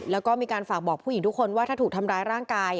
แล้วก็มีการฝากบอกผู้หญิงทุกคนว่าถ้าถูกทำร้ายร่างกาย